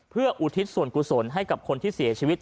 เพื่ออุทิศส่วนกุศลให้กับคนที่เสียชีวิต